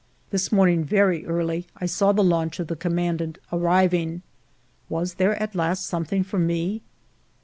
This morning, very early, I saw the launch of the commandant arriving. Was there at last something for me